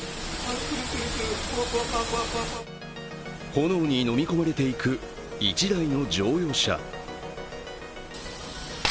炎に飲み込まれていく１台の乗用車。